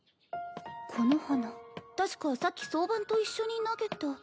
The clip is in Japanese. この花確かさっき総番と一緒に投げた。